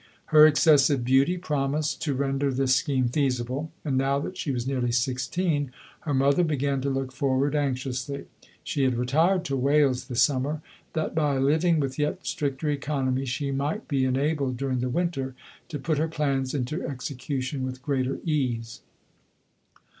Her excessive beauty promised to render this scheme feasible ; and now that she was nearly sixteen, her mother began to look forward anxiously. She had re tired to Wales this summer, that, by living with yet stricter economy, she might be enabled, during the winter, to put her plans into exe cution with greater ease.